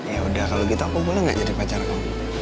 ya udah kalau gitu aku boleh nggak jadi pacar kamu